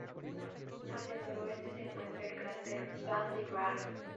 Hacia el noreste se encuentra el cráter Van De Graaff.